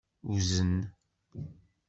Wzen.